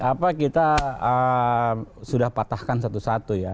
apa kita sudah patahkan satu satu ya